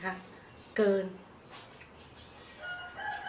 แล้วบอกว่าไม่รู้นะ